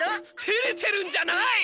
てれてるんじゃない！